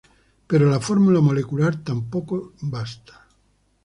Pero la fórmula molecular tampoco basta.